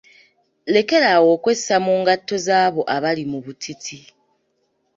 Lekeraawo okwessa mu ngatto z'abo abali mu butiti.